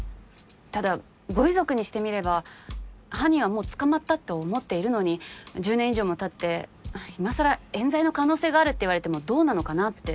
ただご遺族にしてみれば犯人はもう捕まったって思っているのに１０年以上もたって今更えん罪の可能性があるって言われてもどうなのかなって。